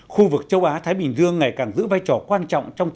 khu vực châu á thái bình dương ngày càng giữ vai trò quan trọng trong chính sách